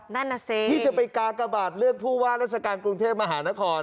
นั่นน่ะสิที่จะไปกากบาทเลือกผู้ว่าราชการกรุงเทพมหานคร